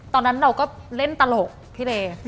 ตอนนั้นเราก็เล่นตลกพี่เล